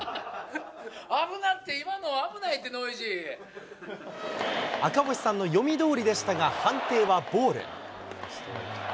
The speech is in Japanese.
危ないって、今のは危ないって、赤星さんの読みどおりでしたが、判定はボール。